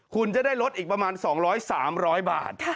คุณจะได้ลดอีกประมาณ๒๐๐๓๐๐บาท